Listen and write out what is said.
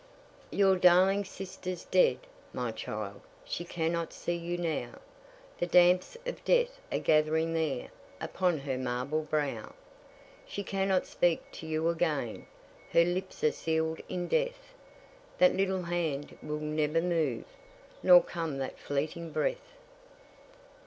Your darling sister's dead, my child; She cannot see you now; The damps of death are gath'ring there Upon her marble brow. She cannot speak to you again, Her lips are sealed in death; That little hand will never move, Nor come that fleeting breath.